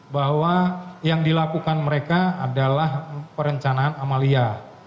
bahwa yang dilakukan mereka adalah perencanaan amalia